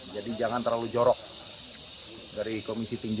jadi jangan terlalu jorok dari komisi tinju